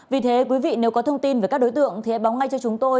vì thế quý vị nếu có thông tin về các đối tượng thì hãy bóng ngay cho chúng tôi